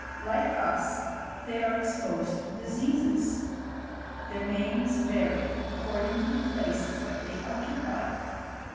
Like us they are exposed to diseases! Their names vary according to the places that they occupy.